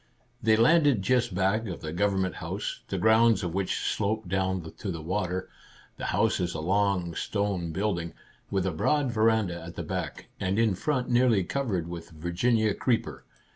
They landed just back of Government House, the grounds of which sloped down to the water. The house is a long, stone build ing, with a broad veranda at the back, and in front nearly covered with Virginia creeper.